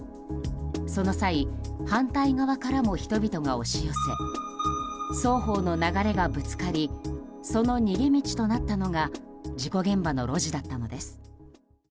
その際、反対側からも人々が押し寄せ双方の流れがぶつかりその逃げ道となったのが事故現場の路地だったのです。